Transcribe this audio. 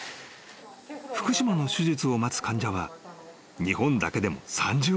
［福島の手術を待つ患者は日本だけでも３０人を超える］